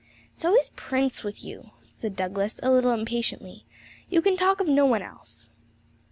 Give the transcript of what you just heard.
'It's always "Prince" with you,' Douglas said a little impatiently; 'you can talk of no one else.'